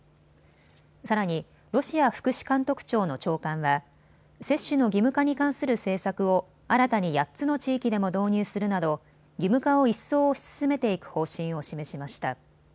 さらにロシア福祉監督庁の長官は接種の義務化に関する政策を新たに８つの地域でも導入するなど義務化を一層推し進めていく方針を示しました。